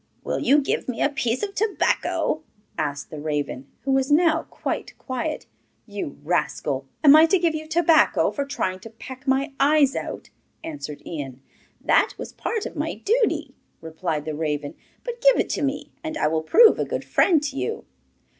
'Will you give me a piece of tobacco?' asked the raven, who was now quite quiet. 'You rascal! Am I to give you tobacco for trying to peck my eyes out?' answered Ian. 'That was part of my duty,' replied the raven; 'but give it to me, and I will prove a good friend to you.